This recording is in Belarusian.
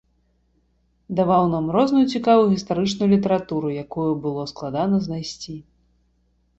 Даваў нам розную цікавую гістарычную літаратуру, якую было складана знайсці.